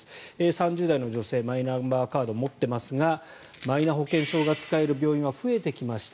３０代の女性マイナンバーカード持っていますがマイナ保険証が使える病院は増えてきました